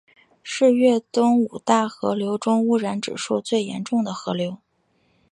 是粤东五大河流中污染指数最严重的河流。